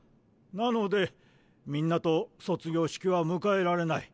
なのでみんなと卒業式は迎えられない。